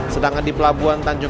sedangkan di pelabuhan tanjung